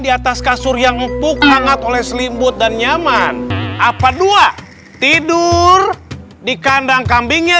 di atas kasur yang empuk hangat oleh selimut dan nyaman apa dua tidur di kandang kambingnya